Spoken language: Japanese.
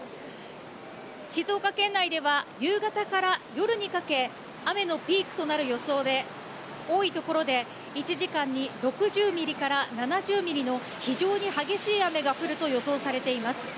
静岡県内では夕方から夜にかけ、雨のピークとなる予想で、多い所で１時間に６０ミリから７０ミリの非常に激しい雨が降ると予想されています。